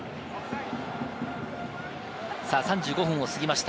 ３５分を過ぎました。